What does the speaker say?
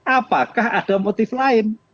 apakah ada motif lain